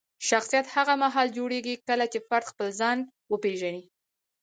شخصیت هغه مهال جوړېږي کله چې فرد خپل ځان وپیژني.